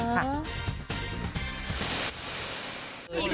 ฟังเสียงค่ะ